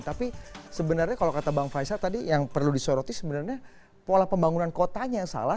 tapi sebenarnya kalau kata bang faisal tadi yang perlu disoroti sebenarnya pola pembangunan kotanya yang salah